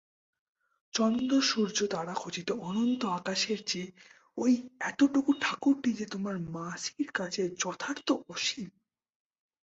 চন্দ্রসূর্যতারাখচিত অনন্ত আকাশের চেয়ে ঐ এতটুকু ঠাকুরটি যে তোমার মাসির কাছে যথার্থ অসীম।